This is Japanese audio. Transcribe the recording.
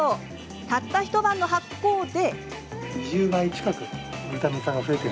たった一晩の発酵で。